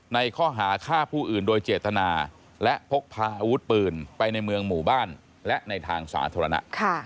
ในข้อหาฆ่าผู้อื่นโดยเจตนาและพกพาอาวุธปืนไปในเมืองหมู่บ้านและในทางสาธารณะ